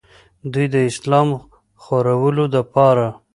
دوي د اسلام خورولو دپاره